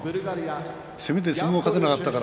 せめて相撲が勝てなかったから。